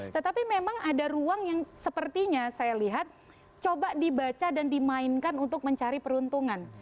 tetapi memang ada ruang yang sepertinya saya lihat coba dibaca dan dimainkan untuk mencari peruntungan